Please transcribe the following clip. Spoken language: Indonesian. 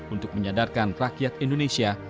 untuk menyadarkan rakyat indonesia